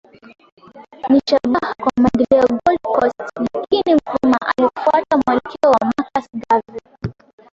ni shabaha kwa maendeleo ya Gold Coast Lakini Nkrumah alifuata mwelekeo wa Marcus Garvey